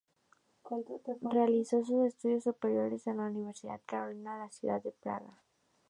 Realizó sus estudios superiores en la Universidad Carolina, en la ciudad de Praga.